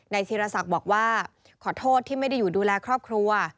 ธีรศักดิ์บอกว่าขอโทษที่ไม่ได้อยู่ดูแลครอบครัว